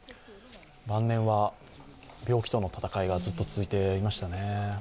晩年は病気との闘いがずっと続いていましたね。